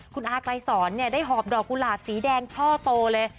คุณอาไกรสอนได้หอบดอกกุหลาบสีแดงช่อโตเลย